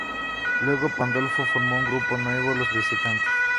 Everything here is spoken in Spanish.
Luego Pandolfo formó un grupo nuevo, Los Visitantes.